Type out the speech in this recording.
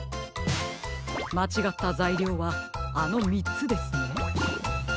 まちがったざいりょうはあの３つですね。